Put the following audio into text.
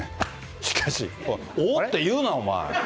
しかし、おーって言うな、お前。